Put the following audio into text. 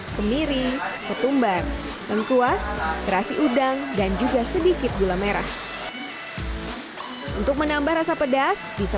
kemiri ketumbar lengkuas terasi udang dan juga sedikit gula merah untuk menambah rasa pedas bisa